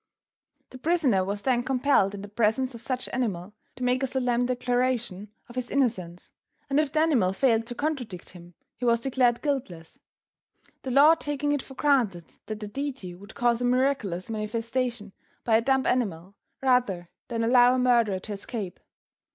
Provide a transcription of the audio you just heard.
The prisoner was then compelled in the presence of such animal to make a solemn declaration of his innocence, and if the animal failed to contradict him, he was declared guiltless, the law taking it for granted that the Deity would cause a miraculous manifestation by a dumb animal, rather than allow a murderer to escape.